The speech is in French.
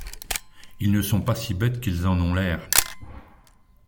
Ils ne sont pas si bêtes qu’ils en ont l’air...